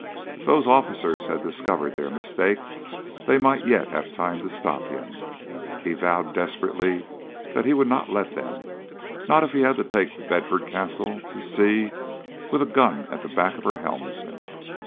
If those officers had discovered their mistake, they might yet have time to stop him. He vowed desperately that he would not let them, not if he had to take The Bedford Castle to sea with a gun at the back of her helmsman.